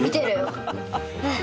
うん。